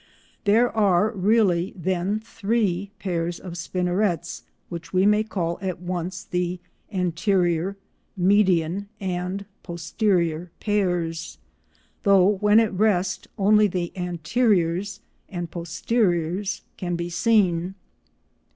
There are really, then, three pairs of spinnerets which we may call at once the anterior, median and posterior pairs, though when at rest only the anteriors and posteriors can be seen.